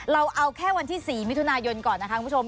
เราเอาแค่วันที่๔มิถุนายนก่อนนะคะคุณผู้ชม